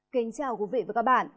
kính chào quý vị và các bạn